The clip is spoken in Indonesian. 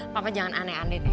papa jangan aneh aneh nih